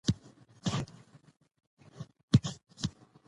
تر څه وخته پورې به يو بل ته په کمين کې ناست وو .